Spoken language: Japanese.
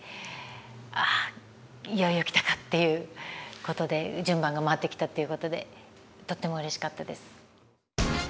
あいよいよ来たか！っていうことで順番が回ってきたっていうことでとってもうれしかったです。